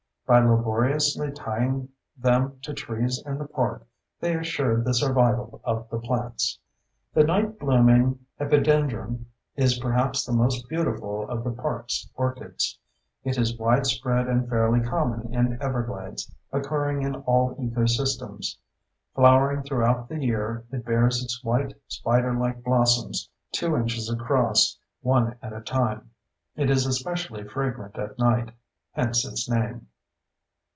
By laboriously tying them to trees in the park, they assured the survival of the plants. The night blooming epidendrum is perhaps the most beautiful of the park's orchids. It is widespread and fairly common in Everglades, occurring in all ecosystems. Flowering throughout the year, it bears its white, spiderlike blossoms, 2 inches across, one at a time. It is especially fragrant at night—hence its name.